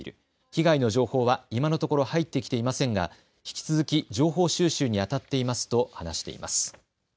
被害の情報は今のところ入ってきていませんが引き続き情報収集にあたっていますと話しています。